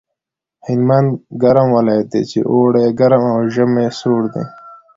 هلمند ګرم ولایت دی چې اوړی یې ګرم او ژمی یې سوړ دی